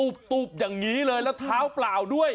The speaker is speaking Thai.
ตุ๊บอย่างนี้เลยแล้วเท้าเปล่าด้วย